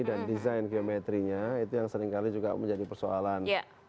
dan desain geometrinya itu yang seringkali juga menjadi persoalan